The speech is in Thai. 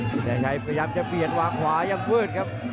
สุรินทราชัยพยายามจะเปลี่ยนหวังขวายังมืดครับ